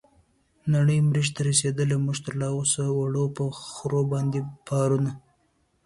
نړۍ مريح ته رسيدلې موږ لا تراوسه وړو په خرو باندې بارونه